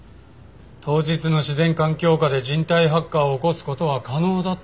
当日の自然環境下で人体発火を起こす事は可能だったか？